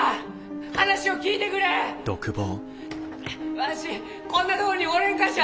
わしこんなとこにおれんがじゃ！